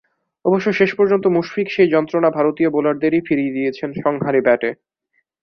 অবশ্য শেষ পর্যন্ত মুশফিক সেই যন্ত্রণা ভারতীয় বোলারদেরই ফিরিয়ে দিয়েছেন সংহারী ব্যাটে।